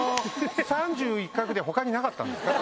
３１画で他になかったんですか？